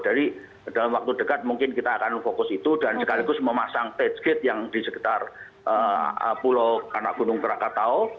jadi dalam waktu dekat mungkin kita akan fokus itu dan sekaligus memasang page gate yang di sekitar pulau anak gunung krakatau